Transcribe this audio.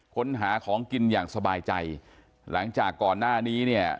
ค้นหาของกินอย่างสบายใจหลังจากก่อนหน้านี้เนี่ย